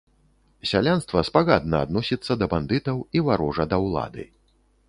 Сялянства спагадна адносіцца да бандытаў і варожа да ўлады.